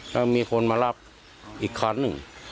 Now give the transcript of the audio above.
แล้วมีคนมารับอีกคันหนึ่ง